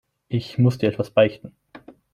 Ich muss dir etwas beichten.